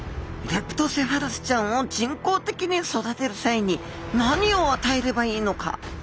レプトセファルスちゃんを人工的に育てる際に何を与えればいいのか？